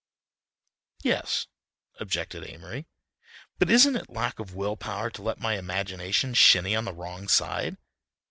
"Yes," objected Amory, "but isn't it lack of will power to let my imagination shinny on the wrong side?"